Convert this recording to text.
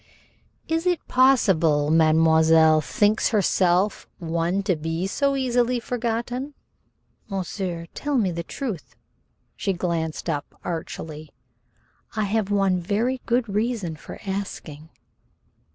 "Is it possible mademoiselle thinks herself one to be so easily forgotten?" "Monsieur, tell me the truth." She glanced up archly. "I have one very good reason for asking."